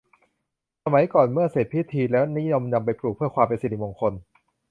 สมัยก่อนเมื่อเสร็จพิธีแล้วนิยมนำไปปลูกเพื่อความเป็นสิริมงคล